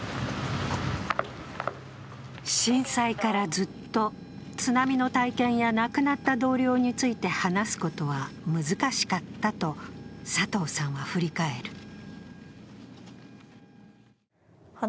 震災からずっと津波の体験や亡くなった同僚について話すことは難しかったと佐藤さんは振り返る。